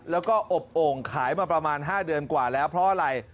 แล้วก็อบโอ่งขายมาประมาณ๕เดือนกว่าแล้วเพราะอะไร